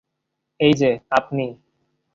এই যে, আপনি!